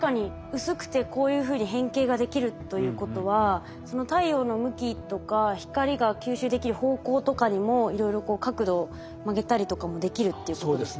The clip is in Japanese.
薄くてこういうふうに変形ができるということはその太陽の向きとか光が吸収できる方向とかにもいろいろ角度曲げたりとかもできるっていうことですね。